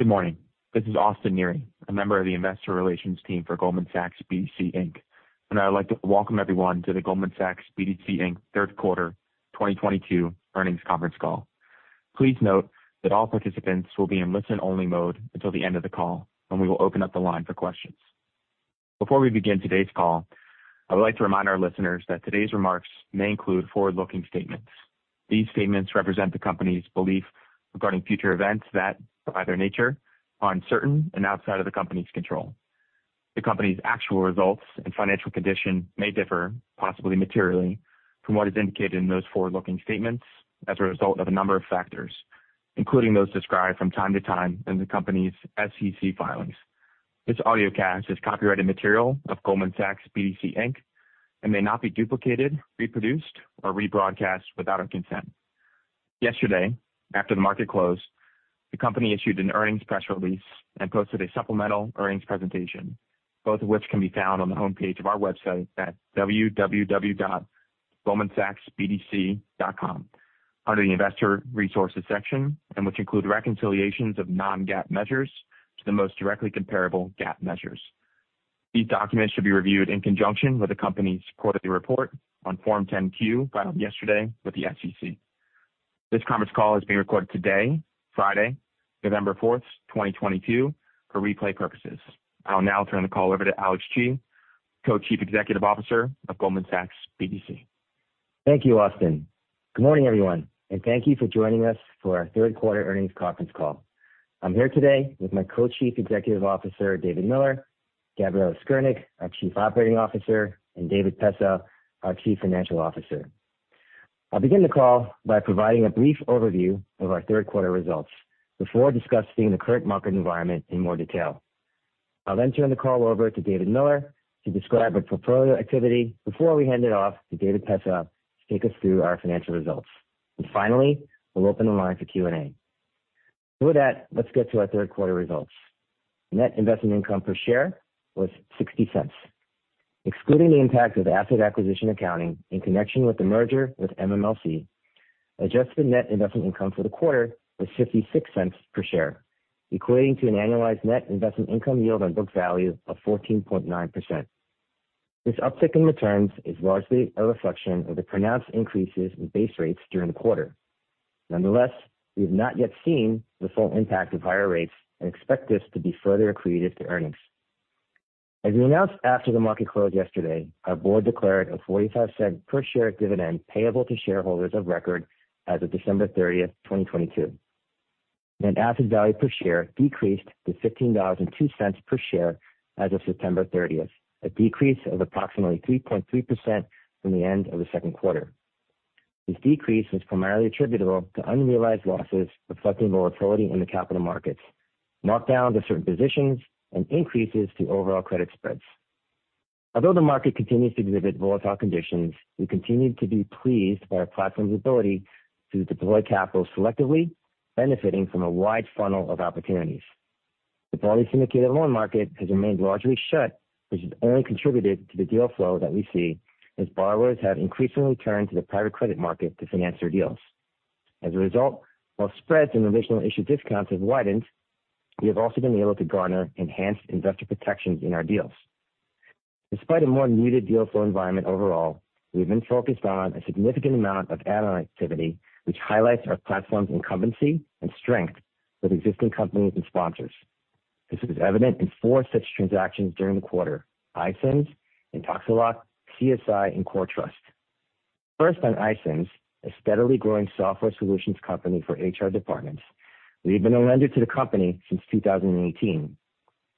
Good morning. This is Austin Neri, a member of the investor relations team for Goldman Sachs BDC, Inc. I would like to welcome everyone to the Goldman Sachs BDC, Inc. third quarter 2022 earnings conference call. Please note that all participants will be in listen-only mode until the end of the call, when we will open up the line for questions. Before we begin today's call, I would like to remind our listeners that today's remarks may include forward-looking statements. These statements represent the company's belief regarding future events that, by their nature, are uncertain and outside of the company's control. The company's actual results and financial condition may differ, possibly materially, from what is indicated in those forward-looking statements as a result of a number of factors, including those described from time to time in the company's SEC filings. This audiocast is copyrighted material of Goldman Sachs BDC, Inc. and may not be duplicated, reproduced, or rebroadcast without our consent. Yesterday, after the market closed, the company issued an earnings press release and posted a supplemental earnings presentation, both of which can be found on the homepage of our website at www.goldmansachsbdc.com under the Investor Resources section, and which include reconciliations of non-GAAP measures to the most directly comparable GAAP measures. These documents should be reviewed in conjunction with the company's quarterly report on Form 10-Q filed yesterday with the SEC. This conference call is being recorded today, Friday, November 4th, 2022, for replay purposes. I will now turn the call over to Alex Chi, Co-Chief Executive Officer of Goldman Sachs BDC, Inc. Thank you, Austin. Good morning, everyone, and thank you for joining us for our third quarter earnings conference call. I'm here today with my Co-Chief Executive Officer, David Miller, Gabriella Skirnick, our Chief Operating Officer, and David Pessah, our Chief Financial Officer. I'll begin the call by providing a brief overview of our third quarter results before discussing the current market environment in more detail. I'll then turn the call over to David Miller to describe our portfolio activity before we hand it off to David Pessah to take us through our financial results. Finally, we'll open the line for Q&A. With that, let's get to our third quarter results. Net investment income per share was $0.60. Excluding the impact of asset acquisition accounting in connection with the merger with MMLC, adjusted net investment income for the quarter was $0.56 per share, equating to an annualized net investment income yield on book value of 14.9%. This uptick in returns is largely a reflection of the pronounced increases in base rates during the quarter. Nonetheless, we have not yet seen the full impact of higher rates and expect this to be further accretive to earnings. As we announced after the market closed yesterday, our board declared a $0.45 per share dividend payable to shareholders of record as of December 30, 2022. Net asset value per share decreased to $15.02 per share as of September 30, a decrease of approximately 3.3% from the end of the second quarter. This decrease was primarily attributable to unrealized losses reflecting volatility in the capital markets, markdowns of certain positions, and increases to overall credit spreads. Although the market continues to exhibit volatile conditions, we continue to be pleased by our platform's ability to deploy capital selectively, benefiting from a wide funnel of opportunities. The broadly syndicated loan market has remained largely shut, which has only contributed to the deal flow that we see as borrowers have increasingly turned to the private credit market to finance their deals. As a result, while spreads and original issue discounts have widened, we have also been able to garner enhanced investor protections in our deals. Despite a more muted deal flow environment overall, we have been focused on a significant amount of add-on activity, which highlights our platform's incumbency and strength with existing companies and sponsors. This is evident in four such transactions during the quarter, iCIMS, Intoxalock, CSI, and CoreTrust. First, on iCIMS, a steadily growing software solutions company for HR departments. We have been a lender to the company since 2018.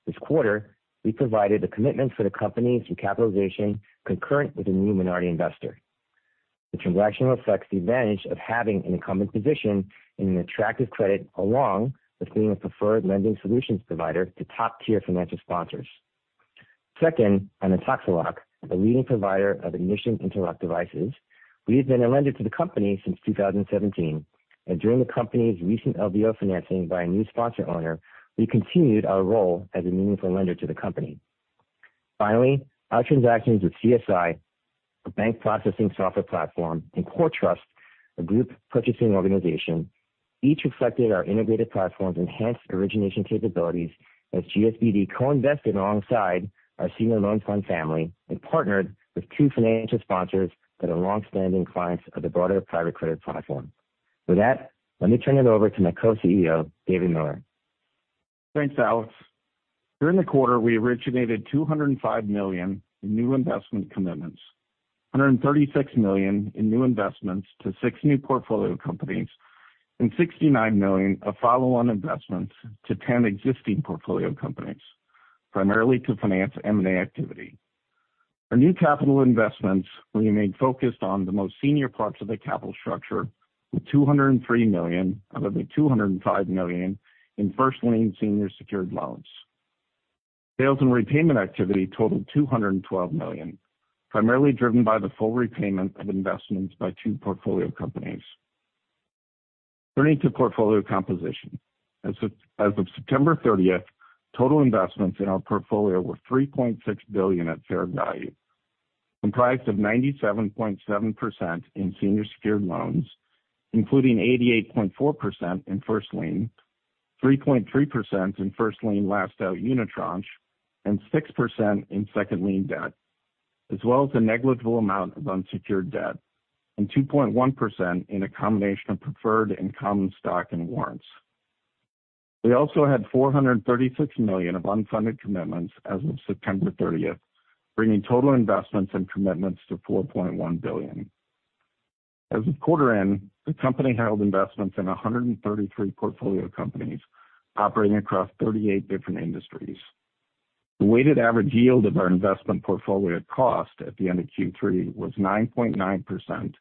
This quarter, we provided a commitment for the company's recapitalization concurrent with a new minority investor. The transaction reflects the advantage of having an incumbent position in an attractive credit along with being a preferred lending solutions provider to top-tier financial sponsors. Second, on Intoxalock, a leading provider of ignition interlock devices. We have been a lender to the company since 2017, and during the company's recent LBO financing by a new sponsor owner, we continued our role as a meaningful lender to the company. Finally, our transactions with CSI, a bank processing software platform, and CoreTrust, a group purchasing organization, each reflected our integrated platform's enhanced origination capabilities as GSBD co-invested alongside our senior loan fund family and partnered with two financial sponsors that are longstanding clients of the broader private credit platform. With that, let me turn it over to my co-CEO, David Miller. Thanks, Alex. During the quarter, we originated $205 million in new investment commitments, $136 million in new investments to six new portfolio companies, and $69 million of follow-on investments to 10 existing portfolio companies, primarily to finance M&A activity. Our new capital investments remained focused on the most senior parts of the capital structure, with $203 million out of the $205 million in first lien senior secured loans. Sales and repayment activity totaled $212 million, primarily driven by the full repayment of investments by two portfolio companies. Turning to portfolio composition, as of September thirtieth, total investments in our portfolio were $3.6 billion at fair value. Comprised of 97.7% in senior secured loans, including 88.4% in first lien, 3.3% in first lien, last out unitranche, and 6% in second lien debt, as well as a negligible amount of unsecured debt and 2.1% in a combination of preferred and common stock and warrants. We also had $436 million of unfunded commitments as of September thirtieth, bringing total investments and commitments to $4.1 billion. As of quarter end, the company held investments in 133 portfolio companies operating across 38 different industries. The weighted average yield of our investment portfolio cost at the end of Q3 was 9.9%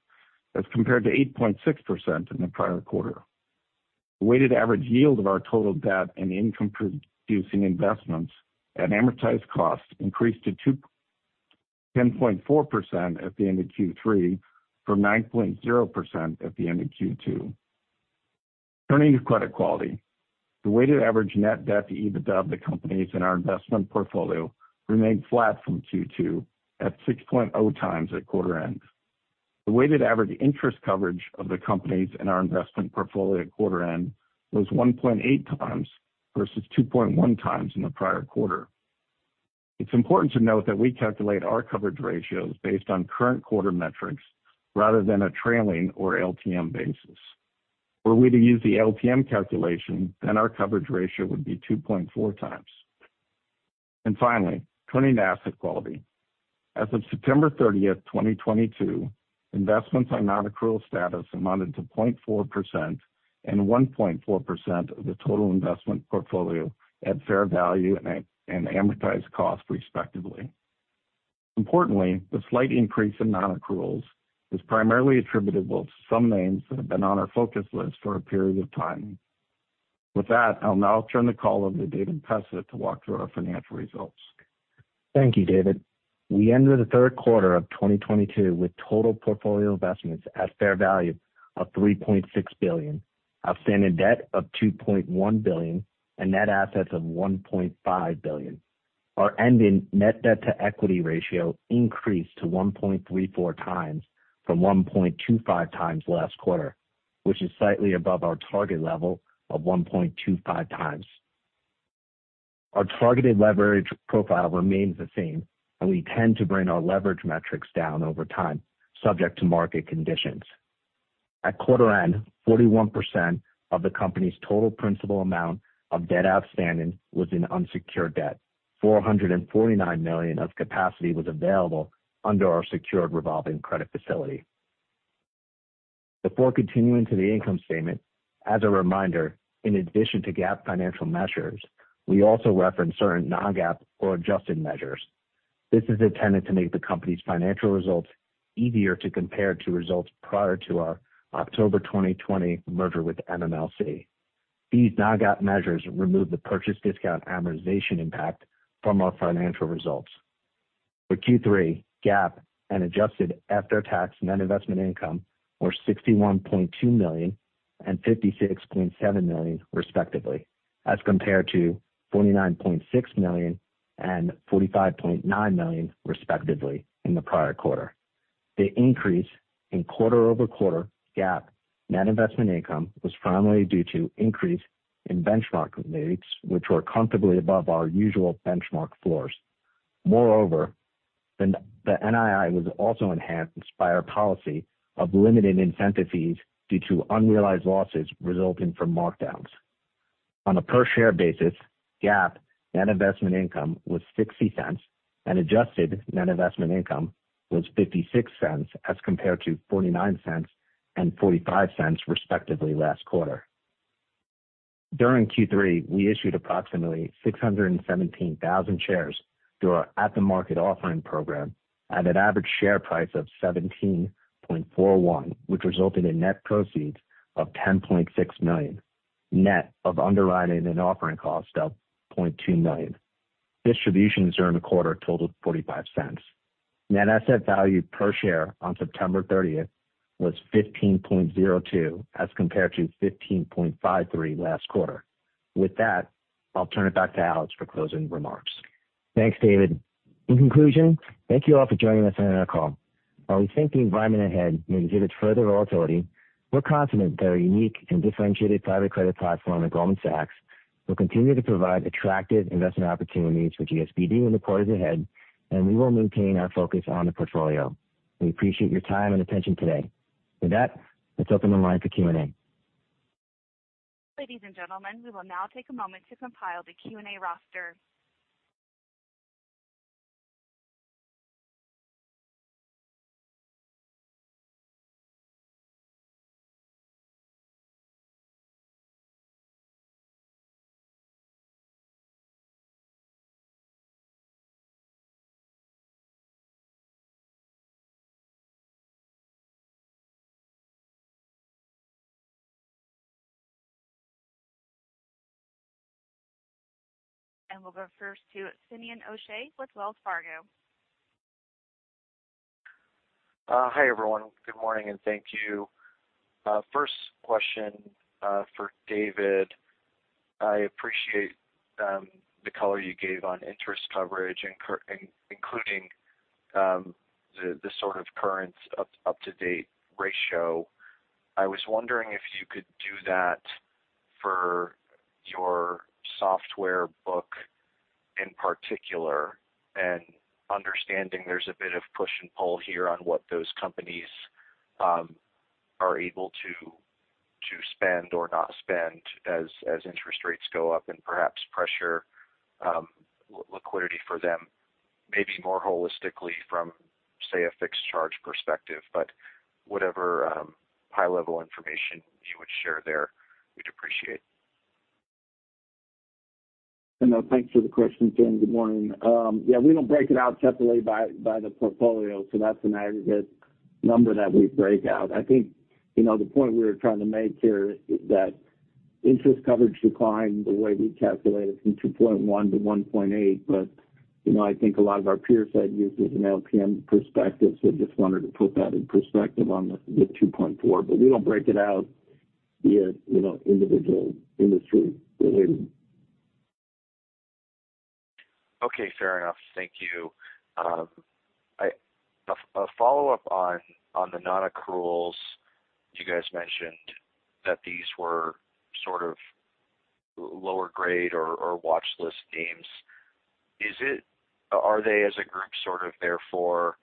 as compared to 8.6% in the prior quarter. The weighted average yield of our total debt and income producing investments at amortized cost increased to 10.4% at the end of Q3 from 9.0% at the end of Q2. Turning to credit quality. The weighted average net debt to EBITDA of the companies in our investment portfolio remained flat from Q2 at 6.0x at quarter end. The weighted average interest coverage of the companies in our investment portfolio at quarter end was 1.8x versus 2.1x in the prior quarter. It's important to note that we calculate our coverage ratios based on current quarter metrics rather than a trailing or LTM basis. Were we to use the LTM calculation, then our coverage ratio would be 2.4x. Finally, turning to asset quality. As of September 30, 2022, investments on non-accrual status amounted to 0.4% and 1.4% of the total investment portfolio at fair value and amortized cost, respectively. Importantly, the slight increase in non-accruals is primarily attributable to some names that have been on our focus list for a period of time. With that, I'll now turn the call over to David Pessah to walk through our financial results. Thank you, David. We ended the third quarter of 2022 with total portfolio investments at fair value of $3.6 billion, outstanding debt of $2.1 billion, and net assets of $1.5 billion. Our ending net debt to equity ratio increased to 1.34x from 1.25x last quarter, which is slightly above our target level of 1.25x. Our targeted leverage profile remains the same, and we tend to bring our leverage metrics down over time subject to market conditions. At quarter end, 41% of the company's total principal amount of debt outstanding was in unsecured debt. $449 million of capacity was available under our secured revolving credit facility. Before continuing to the income statement, as a reminder, in addition to GAAP financial measures, we also reference certain non-GAAP or adjusted measures. This is intended to make the company's financial results easier to compare to results prior to our October 2020 merger with MMLC. These non-GAAP measures remove the purchase discount amortization impact from our financial results. For Q3, GAAP and adjusted after-tax net investment income were $61.2 million and $56.7 million, respectively, as compared to $49.6 million and $45.9 million, respectively, in the prior quarter. The increase in quarter-over-quarter GAAP net investment income was primarily due to increase in benchmark rates, which were comfortably above our usual benchmark floors. Moreover, the NII was also enhanced by our policy of limiting incentive fees due to unrealized losses resulting from markdowns. On a per share basis, GAAP net investment income was $0.60 and adjusted net investment income was $0.56 as compared to $0.49 and $0.45, respectively, last quarter. During Q3, we issued approximately 617,000 shares through our at-the-market offering program at an average share price of $17.41, which resulted in net proceeds of $10.6 million, net of underwriting and offering cost of $0.2 million. Distributions during the quarter totaled $0.45. Net asset value per share on September thirtieth was $15.02 as compared to $15.53 last quarter. With that, I'll turn it back to Alex for closing remarks. Thanks, David. In conclusion, thank you all for joining us on our call. While we think the environment ahead may exhibit further volatility, we're confident that our unique and differentiated private credit platform at Goldman Sachs will continue to provide attractive investment opportunities for GSBD in the quarters ahead, and we will maintain our focus on the portfolio. We appreciate your time and attention today. With that, let's open the line for Q&A. Ladies and gentlemen, we will now take a moment to compile the Q&A roster. We'll go first to Simeon Gutman with Wells Fargo. Hi, everyone. Good morning, and thank you. First question for David. I appreciate the color you gave on interest coverage including the sort of current up-to-date ratio. I was wondering if you could do that for your software book in particular, and understanding there's a bit of push and pull here on what those companies are able to spend or not spend as interest rates go up and perhaps pressure liquidity for them, maybe more holistically from, say, a fixed charge perspective. Whatever high level information you would share there, we'd appreciate. You know, thanks for the question, Simeon Gutman. Good morning. Yeah, we don't break it out separately by the portfolio, so that's an aggregate number that we break out. I think, you know, the point we were trying to make here is that interest coverage declined the way we calculate it from 2.1 to 1.8. You know, I think a lot of our peers had used it as an LTM perspective, so just wanted to put that in perspective on the 2.4. We don't break it out by, you know, individual industry related. Okay, fair enough. Thank you. A follow-up on the non-accruals, you guys mentioned that these were sort of lower grade or watchlist names. Are they, as a group, sort of therefore,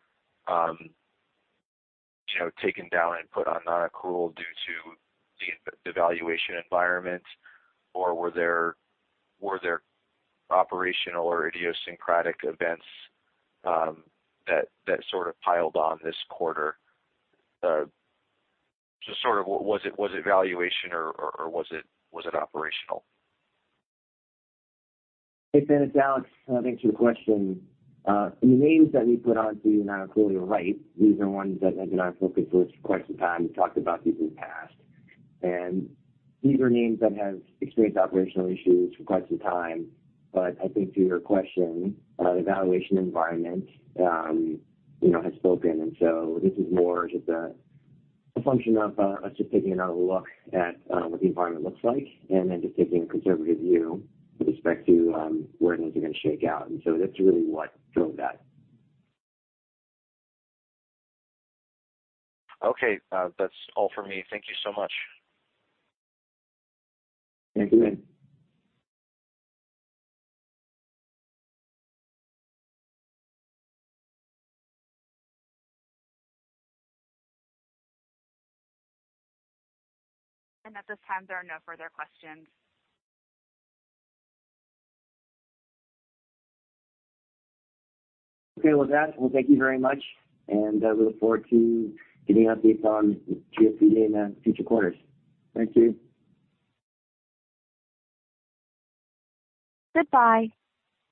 you know, taken down and put on non-accrual due to the valuation environment? Or were there operational or idiosyncratic events that sort of piled on this quarter? Just sort of was it valuation or was it operational? Hey, Ben, it's Alex. I'll answer your question. The names that we put on to the non-accrual, you're right, these are ones that have been on focus list for quite some time. We talked about these in the past. These are names that have experienced operational issues for quite some time. I think to your question, the valuation environment, you know, has spoken, and so this is more just a function of us just taking another look at what the environment looks like and then just taking a conservative view with respect to where things are gonna shake out. That's really what drove that. Okay. That's all for me. Thank you so much. Thank you. At this time, there are no further questions. Okay. With that, well, thank you very much, and we look forward to giving updates on GSBD in the future quarters. Thank you. Goodbye.